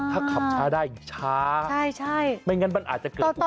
ถ้าขับช้าได้ช้าไม่งั้นมันอาจจะเกิดอุบัติเหตุ